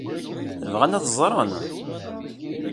Bɣan ad t-ẓren?